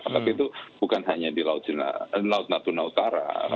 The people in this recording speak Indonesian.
tapi itu bukan hanya di laut natuna utara